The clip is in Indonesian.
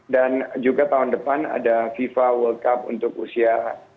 dan juga tahun depan ada fifa world cup untuk usia dua puluh